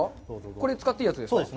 これ、使っていいやつですか。